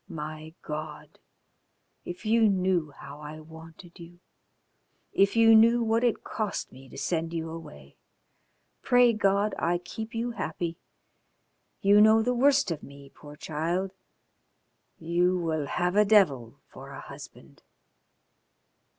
My God! If you knew how I wanted you. If you knew what it cost me to send you away. Pray God I keep you happy. You know the worst of me, poor child you will have a devil for a husband."